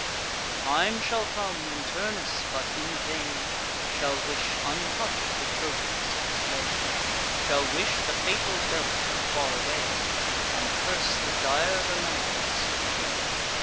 The time shall come, when Turnus, but in vain, Shall wish untouch'd the trophies of the slain; Shall wish the fatal belt were far away, And curse the dire remembrance of the day.